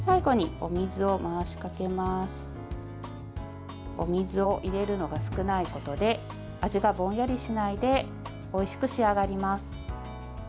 お水を入れるのが少ないことで味がぼんやりしないでおいしく仕上がります。